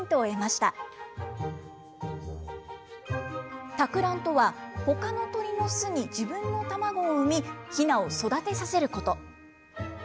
たく卵とは、ほかの鳥の巣に自分の卵を産み、ひなを育てさせること。